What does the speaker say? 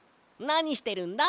なにしてるんだ？